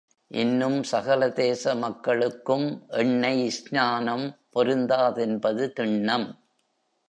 இன்னும் சகலதேச மக்களுக்கும் எண்ணெய் ஸ்நானம் பொருந்தாதென்பதும் திண்ணம்.